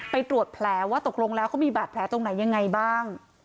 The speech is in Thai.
ไปตรวจแผลว่าตกลงแล้วเขามีบาดแผลตรงไหนยังไงบ้าง